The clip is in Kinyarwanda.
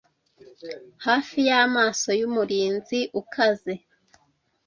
hafi y'amaso y'umurinzi ukaze